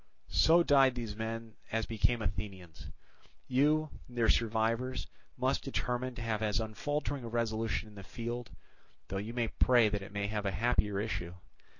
"So died these men as became Athenians. You, their survivors, must determine to have as unfaltering a resolution in the field, though you may pray that it may have a happier issue.